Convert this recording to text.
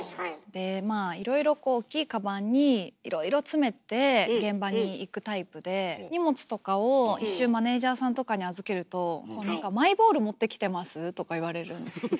でまあいろいろ大きいカバンにいろいろ詰めて現場に行くタイプで荷物とかを一瞬マネージャーさんとかに預けるととか言われるんです。